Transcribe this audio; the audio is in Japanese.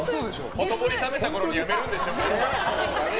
ほとぼり冷めたころに辞めるんでしょう。